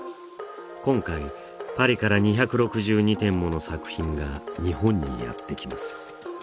今回パリから２６２点もの作品が日本にやって来ます